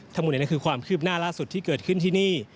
ทั้งหมดนี้คือความคืบหน้าล่าสุดที่เกิดขึ้นที่นี่